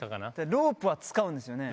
ロープは使うんですよね？